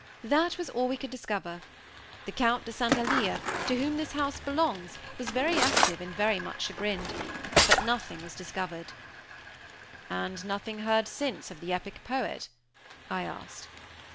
That was all we could discover. The Count de St. Alyre, to whom this house belongs, was very active and very much chagrined. But nothing was discovered." "And nothing heard since of the epic poet?" I asked.